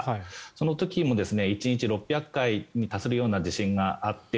その時も１日６００回に達するような地震があって